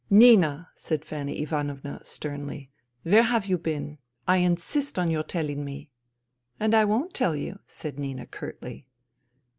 " Nina," said Fanny Ivanovna sternly, " where have you been ? I insist on your telling me. " And I won't tell," said Nina curtly.